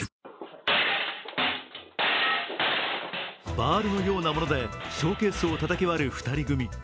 バールのようなものでショーケースをたたき割る２人組。